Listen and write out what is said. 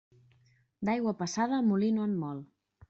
D'aigua passada molí no en mol.